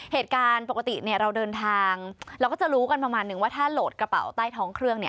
เหตุการณ์ปกติเราเดินทางเราก็จะรู้กันประมาณนึงว่าถ้าโหลดกระเป๋าใต้ท้องเครื่อง